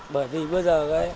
bởi vì bây giờ